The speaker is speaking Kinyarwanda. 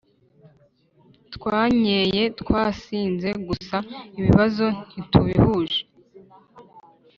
twanyeye twasinze gusa ibibazo ntitubihuje